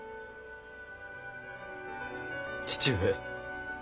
父上。